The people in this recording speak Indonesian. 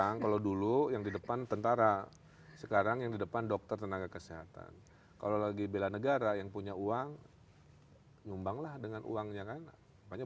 nyumbanglah dengan uangnya